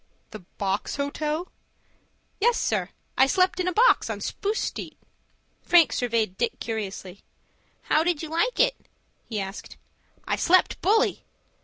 "The Box Hotel?" "Yes, sir, I slept in a box on Spruce Street." Frank surveyed Dick curiously. "How did you like it?" he asked. "I slept bully."